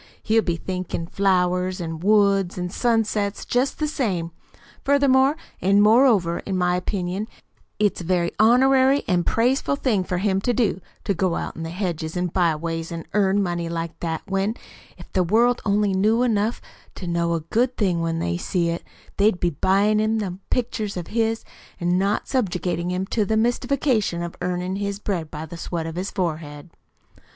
He'll be THINKIN' flowers an' woods an' sunsets jest the same. Furthermore an' moreover, in my opinion it's a very honorary an' praiseful thing for him to do, to go out in the hedges an' byways an' earn money like that, when, if the world only knew enough to know a good thing when they see it, they'd be buy in' them pictures of his, an' not subjugate him to the mystification of earnin' his bread by the sweat of his forehead."